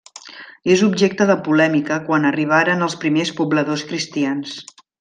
És objecte de polèmica quan arribaren els primers pobladors cristians.